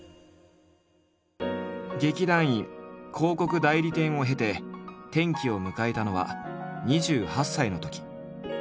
劇団員広告代理店を経て転機を迎えたのは２８歳のとき。